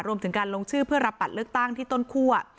รวมถึงการลงชื่อเพื่อรับบัตรเลือกตั้งที่ต้นคั่ว